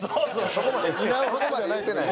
そこまで言うてない。